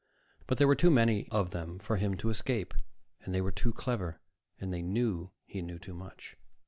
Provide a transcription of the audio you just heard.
But there were too many of them for him to escape, and they were too clever, and they knew he knew too much.